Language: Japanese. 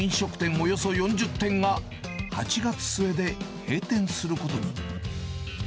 およそ４０店が８月末で閉店することに。